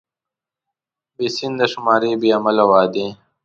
بې سنده شمارې، بې عمله وعدې.